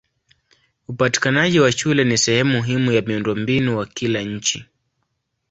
Upatikanaji wa shule ni sehemu muhimu ya miundombinu wa kila nchi.